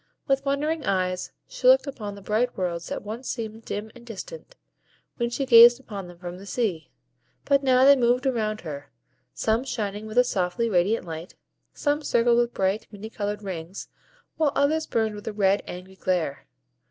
With wondering eyes she looked upon the bright worlds that once seemed dim and distant, when she gazed upon them from the sea; but now they moved around her, some shining with a softly radiant light, some circled with bright, many colored rings, while others burned with a red, angry glare.